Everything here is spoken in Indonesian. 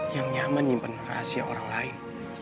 yang nyaman menyimpan rahasia orang lain